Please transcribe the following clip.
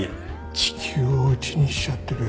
地球をうちにしちゃってるよ。